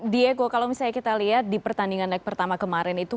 diego kalau misalnya kita lihat di pertandingan leg pertama kemarin itu